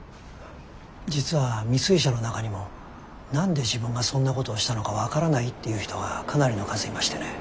実は未遂者の中にも何で自分がそんなことをしたのか分からないっていう人がかなりの数いましてね。